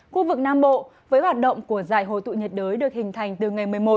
khu vực nam bộ với hoạt động của giải hồi tụ nhiệt đới được hình thành từ ngày một mươi một